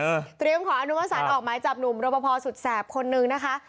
เออเตรียมขออนุมัติศาสตร์ออกไม้จับหนุ่มรบพพอสุดแสบคนหนึ่งนะคะ